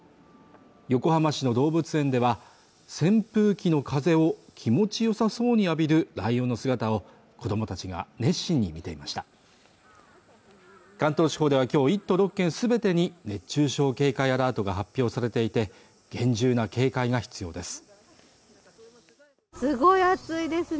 横浜市の動物園では扇風機の風を気持ちよさそうに浴びるライオンの姿を子どもたちが熱心に見てました関東地方ではきょう、１都６県全てに熱中症警戒アラートが発表されていて厳重な警戒が必要です